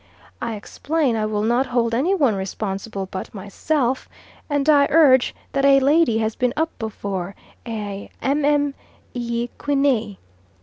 I explain I will not hold any one responsible but myself, and I urge that a lady has been up before, a Mme. Quinee.